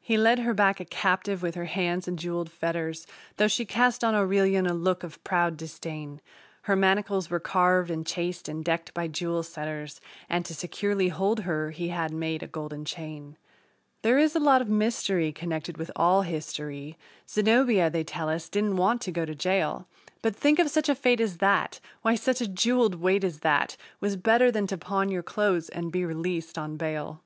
He led her back a captive with her hands in jeweled fetters, Though she cast on Aurelian a look of proud disdain; Her manacles were carved and chased and decked by jewel setters, And to securely hold her he had made a golden chain. There is a lot of mystery connected with all history Zenobia, they tell us, didn't want to go to jail, But, think of such a fate as that! Why, such a jeweled weight as that Was better than to pawn your clothes and be released on bail!